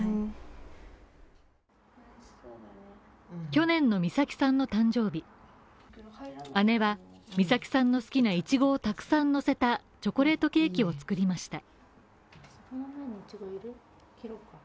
去年の美咲さんの誕生日姉は美咲さんの好きないちごをのせたチョコレートケーキを作りました。